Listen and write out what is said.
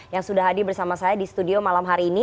yang sudah hadir bersama saya di studio malam hari ini